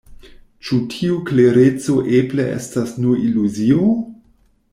Ĉu tiu klereco eble estas nur iluzio?